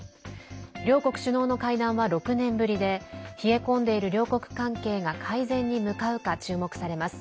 両国首脳の会談は６年ぶりで冷え込んでいる両国関係が改善に向かうか注目されます。